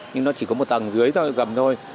nhưng nó chỉ có một tầng dưới thôi gầm thôi